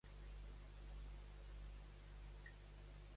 Quin ha sigut el seu súmmum d'Elo?